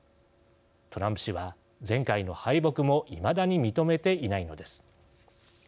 トランプ氏は、前回の敗北もいまだに認めていないのです。